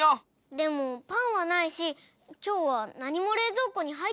でもパンはないしきょうはなにもれいぞうこにはいってないよ。